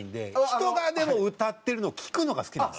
人がでも歌ってるのを聴くのが好きなのよ。